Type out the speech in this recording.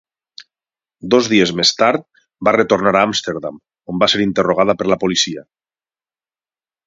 Dos dies més tard va retornar a Amsterdam on va ser interrogada per la policia.